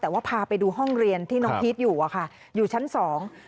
แต่ว่าพาไปดูห้องเรียนที่น้องพีชอยู่อ่ะค่ะอยู่ชั้นสอง